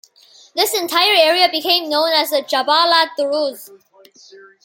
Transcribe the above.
This entire area became known as the 'Jabal ad-Duruz'.